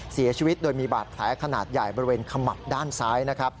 เสียชีวิตโดยมีบาดแผลขนาดใหญ่บริเวณขมับด้านซ้ายนะครับ